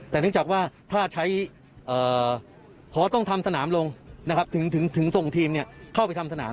แต่นึกจากว่าถ้าใช้ฮอต้องทำสนามลงถึงส่งทีมเข้าไปทำสนาม